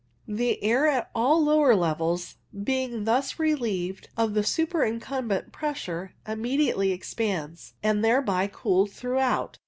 The air at all lower levels being thus relieved of the superincumbent pressure, immediately expands, and is thereby cooled throughout.